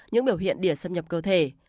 những biểu hiện đỉa xâm nhập cơ thể